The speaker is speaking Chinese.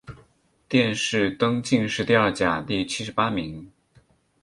殿试登进士第二甲第七十八名。